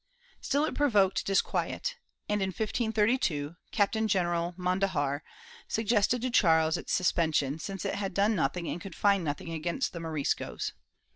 ^ Still it provoked disquiet and, in 1532, Captain general Mondejar suggested to Charles its suspension, since it had done nothing and could find nothing against the Moriscos.